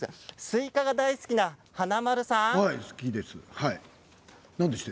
スイカが大好きな華丸さん。